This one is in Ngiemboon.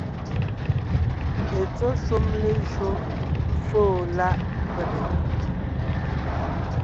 Etsɔ́ shúm lejÿo fóo láʼ pege,